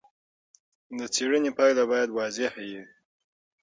د څيړني پایله باید واضحه وي.